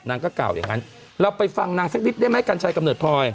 นางก็กล่าวอย่างนั้นเราไปฟังนางสักนิดได้ไหมกัญชัยกำเนิดพลอย